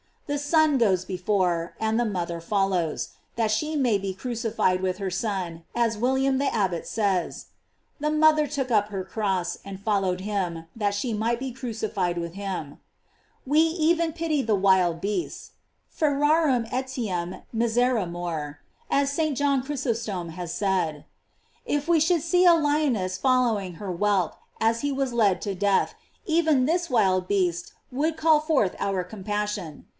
The Son goes before, and the mother follows, that she may be cru cified with her Son, as William the Abbot says: The mother took up her cross, and followed him, that she might be crucified with him.* We even pity the wild beasts: "Ferarum etiam miseremur;" as St. John Chrysostom has said. If we should see a lioness following her whelp as he was led to death, even this wild beast would call forth our compassion.